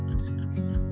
pindah ke sana